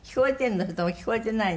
それとも聞こえてないの？